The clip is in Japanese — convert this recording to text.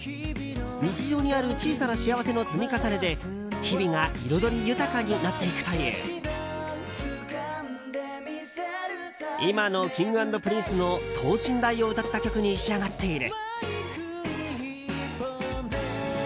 日常にある小さな幸せの積み重ねで日々が彩り豊かになっていくという今のＫｉｎｇ＆Ｐｒｉｎｃｅの等身大を歌った曲に仕上がっている。